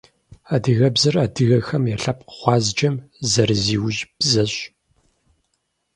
Адыгэбзэр адыгэхэм я лъэпкъ гъуазджэм зэрызиужь бзэщ.